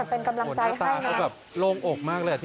เป็นกำลังใจให้นะ